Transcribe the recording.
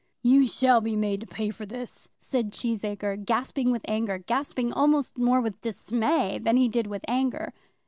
"You shall be made to pay for this," said Cheesacre, gasping with anger; gasping almost more with dismay than he did with anger.